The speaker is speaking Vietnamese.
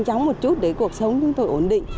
để sống một chút để cuộc sống chúng tôi ổn định